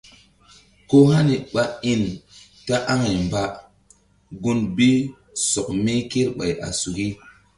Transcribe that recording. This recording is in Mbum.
Ko hani ɓa in ta aŋay mba gun bi sɔk mi kerɓay a suki.